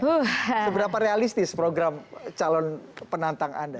seberapa realistis program calon penantang anda